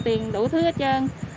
tiền đủ thứ hết trơn